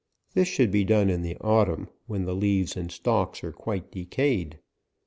This should be done in the autumn, when the leaves and stalks are quite decay ed.